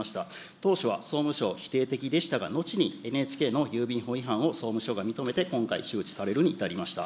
当初は総務省、否定的でしたが、後にＮＨＫの郵便法違反を総務省が認めて今回、周知されるに至りました。